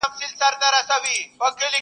ستا پسرلي ته به شعرونه جوړ کړم!